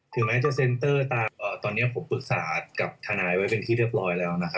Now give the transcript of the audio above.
ถึงแม้จะเซ็นเตอร์ตามตอนนี้ผมปรึกษากับทนายไว้เป็นที่เรียบร้อยแล้วนะครับ